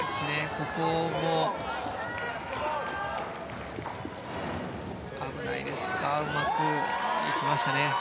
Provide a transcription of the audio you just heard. ここも危ないですがうまく行きましたね。